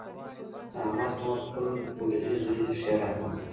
د احمد مور خپل پوډري زوی ښیرأ کاوه.